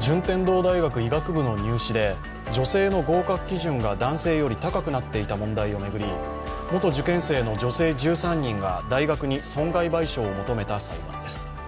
順天堂大学医学部の入試で女性の合格基準が男性より高くなっていた問題を巡り元受験生の女性１３人が大学に損害賠償を求めた裁判です。